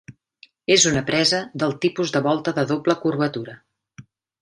És una presa del tipus de volta de doble curvatura.